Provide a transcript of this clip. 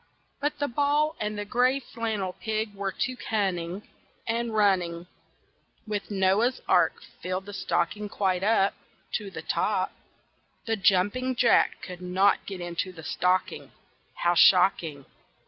But the ball and the gray flannel pig were too cunning, And running, With Noah's Ark, filled the stocking quite up To the top. The jumping jack could not get into the stocking. How shocking!